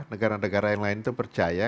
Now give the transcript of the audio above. negara negara yang lain itu percaya